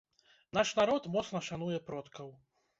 Наш народ моцна шануе продкаў.